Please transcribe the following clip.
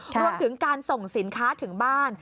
รวมถึงการส่งสินค้าถึงบ้าน